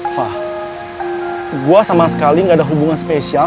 wah gue sama sekali gak ada hubungan spesial